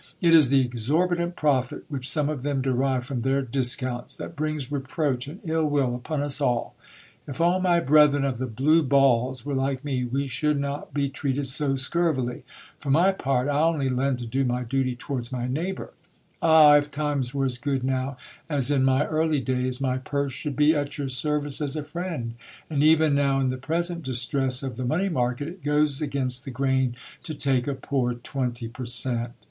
It is the exorbitant profit which some of them derive from their discounts, that brings reproach and ill wdl upon us alL If all my brethren of the blue balls were like me, we should not be treated so scurvily ; for my part, I only lend to do my duty towards my neigh bour. Ah ! if times were as good now as in my early days, my purse should be at your service as a friend ; and even now, in the present distress of the money market, it goes against the grain to take a poor twenty per cent.